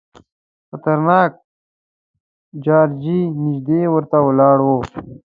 خطرناک جارچي نیژدې ورته ولاړ وو.